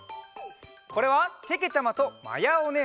これはけけちゃまとまやおねえさん。